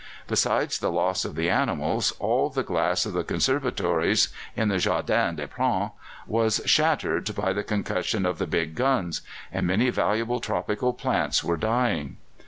Besides the loss of the animals, all the glass of the conservatories in the Jardin des Plantes was shattered by the concussion of the big guns, and many valuable tropical plants were dying.